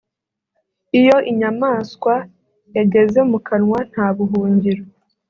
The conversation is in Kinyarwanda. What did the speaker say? iyo inyamaswa yageze mu kanwa nta buhungiro